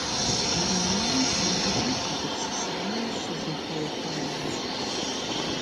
А романым пэжымрэ къэгупсысамрэ щызэхэухуэнащ.